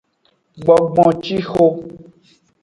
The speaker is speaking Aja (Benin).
Gbongboncixo.